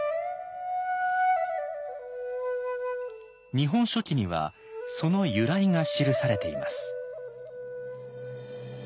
「日本書紀」にはその由来が記されています。